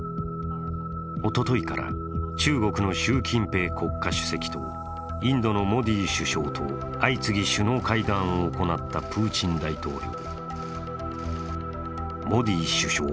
おとといから、中国の習近平国家主席とインドのモディ首相と相次ぎ首脳会談を行ったプーチン大統領。